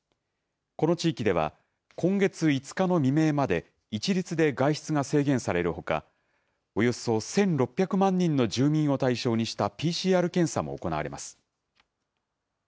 この地域では、今月５日の未明まで、一律で外出が制限されるほか、およそ１６００万人の住民を対象にしたＰＣＲ検査も行われます。